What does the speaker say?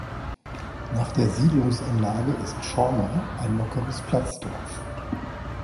Nach der Siedlungsanlage ist Zschorna ein lockeres Platzdorf.